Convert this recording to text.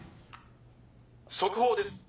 「速報です」